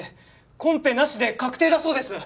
コンペなしで確定だそうです！